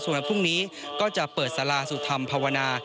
ส่วนพรุ่งนี้ก็จะเปิดสาราสุธรรมภาวนา